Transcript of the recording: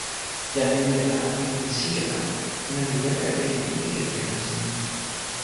jan li wile ala pilin e sike la ona li weka e pilin ike kepeken nasin ni.